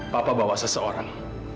papa bawa seseorang